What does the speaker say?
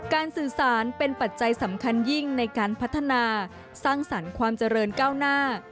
สื่อสารเป็นปัจจัยสำคัญยิ่งในการพัฒนาสร้างสรรค์ความเจริญก้าวหน้า